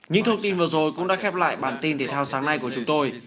những thông tin vừa rồi cũng đã khép lại bản tin thể thao sáng nay của chúng tôi